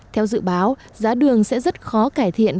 theo dự báo giá đường sẽ rất khó cải thiện